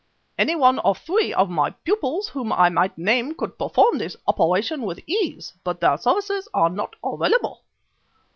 Any one of three of my pupils whom I might name could perform this operation with ease, but their services are not available.